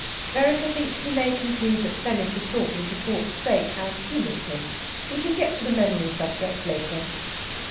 Vereker thinks he may conclude that Fenwick is talking for talk's sake, and humours him. He can get to the memory subject later.